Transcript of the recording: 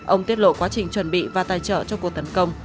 ông tiết lộ quá trình chuẩn bị và tài trợ cho cuộc tấn công